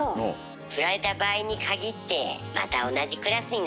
振られた場合にかぎってまた同じクラスになります。